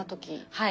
はい。